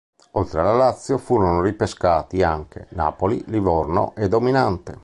Oltre alla Lazio, furono ripescati anche Napoli, Livorno e Dominante.